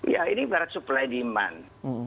ya ini ibarat supply demand